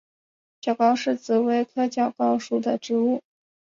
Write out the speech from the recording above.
角蒿是紫葳科角蒿属的植物。